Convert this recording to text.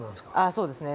そうですね。